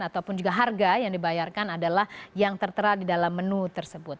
ataupun juga harga yang dibayarkan adalah yang tertera di dalam menu tersebut